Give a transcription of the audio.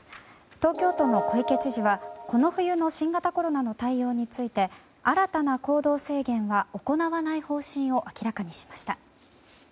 東京都の小池知事は、この冬の新型コロナの対応について新たな行動制限は行わない方針を明らかにしました。